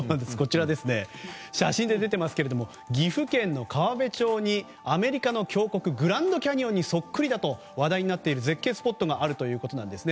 写真で出ていますが岐阜県の川辺町にアメリカの峡谷グランドキャニオンにそっくりだと話題になっている絶景スポットがあるということです。